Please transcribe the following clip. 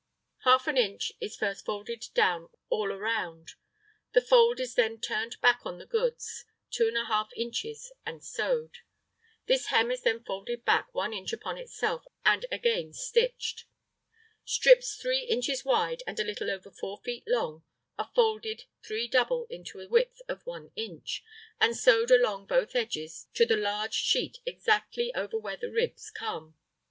Half an inch is first folded down all around; the fold is then turned back on the goods 2½ inches and sewed. This hem is then folded back 1 inch upon itself, and again stitched. Strips 3 inches wide and a little over 4 feet long are folded "three double" into a width of 1 inch, and sewed along both edges to the large sheet exactly over where the ribs come.